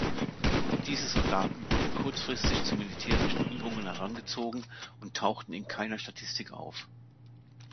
Diese Soldaten wurden kurzfristig zu militärischen Übungen herangezogen und tauchten in keiner Statistik auf.